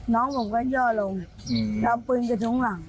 น้องผมก็ย่อลงแล้วเอาปืนกระทุ้งหลัง